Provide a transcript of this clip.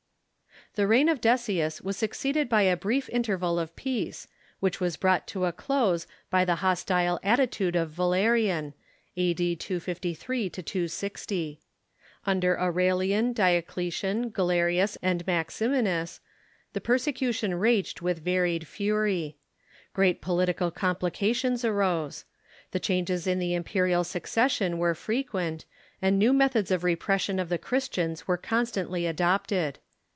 The reign of Decius was succeeded by a brief interval of peace, which was brought to a close by the hostile attitude of Valerian (a.d. 253 260). Under Aurelian, Diocle Fmai Efforts tian, Galerius, and Maximinus, the persecution rasred to Destroy ..... Christianity with varied fury. Great political complications arose. The changes in the imperial succession were frequent, and new methods of repression of the Christians were constantly adopted.